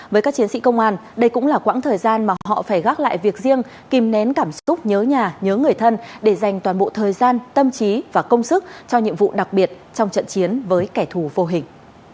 với các chiến sĩ công an đây cũng là quãng thời gian mà họ phải gác lại việc riêng kìm nén cảm xúc nhớ nhà nhớ người thân để dành toàn bộ thời gian tâm trí và công sức cho nhiệm vụ đặc biệt trong trận chiến với kẻ thù vô hình